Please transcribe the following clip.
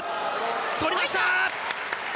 とりました！